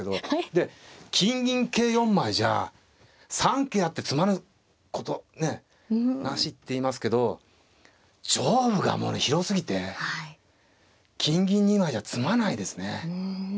で金銀桂４枚じゃ「三桂あって詰まぬことなし」っていいますけど上部がもうね広すぎて金銀２枚じゃ詰まないですね。